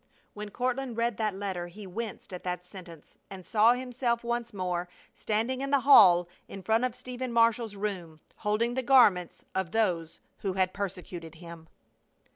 (When Courtland read that letter he winced at that sentence and saw himself once more standing in the hall in front of Stephen Marshall's room, holding the garments of those who persecuted him.)